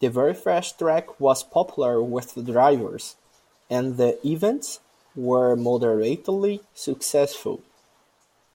The very fast track was popular with drivers, and the events were moderately successful.